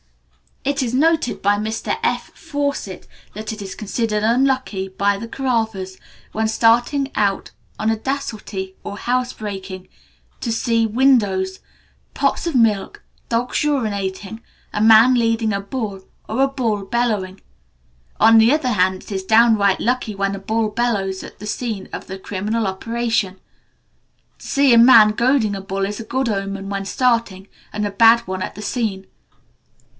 It is noted by Mr F. Fawcett that it is considered unlucky by the Koravas, when starting on a dacoity or housebreaking, "to see widows, pots of milk, dogs urinating, a man leading a bull, or a bull bellowing. On the other hand, it is downright lucky when a bull bellows at the scene of the criminal operation. To see a man goading a bull is a good omen when starting, and a bad one at the scene.